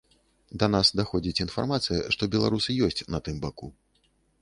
Да нас даходзіць інфармацыя, што беларусы ёсць на тым баку.